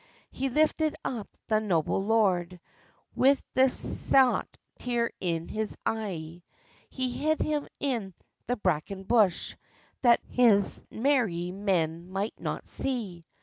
He lifted up that noble lord, Wi the saut tear in his e'e; He hid him in the braken bush, That his merrie men might not see.